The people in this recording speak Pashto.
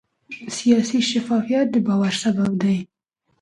سیاسي شفافیت د باور سبب دی